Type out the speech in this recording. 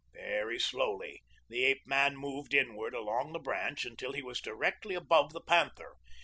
Very slowly the ape man moved inward along the branch until he was directly above the panther.